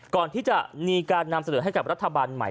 ก่อนที่จะมีการนำเสนอให้กับรัฐบาลใหม่